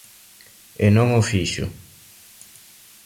E non o fixo.